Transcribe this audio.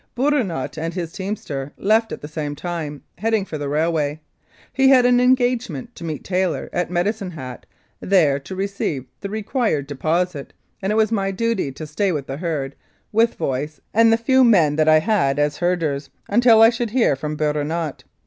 Bourinot and his teamster left at the same time, heading for the railway. He had an engagement to meet Taylor at Medicine Hat, there to receive the required deposit, and it was my duty to stay with the herd, with Voice and the few men that I had as herders, until I should hear from Bourinot.